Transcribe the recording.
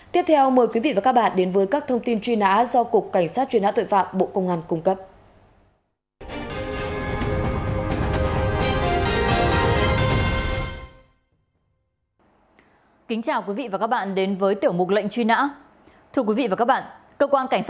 tiếp theo mời quý vị và các bạn đến với các thông tin truy nã do cục cảnh sát truy nã tội phạm bộ công an cung cấp